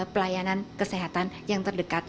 pelayanan kesehatan yang terdekat